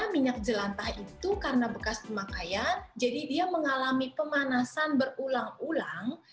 minyak jelantah itu karena bekas pemakaian jadi dia mengalami pemanasan berulang ulang